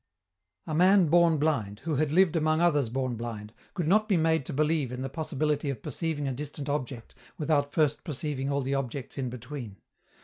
A man born blind, who had lived among others born blind, could not be made to believe in the possibility of perceiving a distant object without first perceiving all the objects in between.